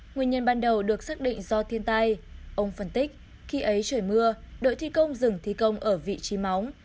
nguyên nhân ban đầu được xác định do thiên tai ông phân tích khi ấy trời mưa đội thi công dừng thi công ở vị trí móng